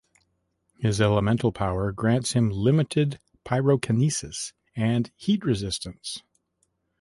His elemental power grants him limited pyrokinesis and heat resistance.